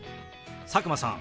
佐久間さん